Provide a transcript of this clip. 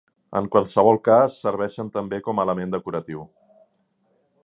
En qualsevol cas serveixen també com a element decoratiu.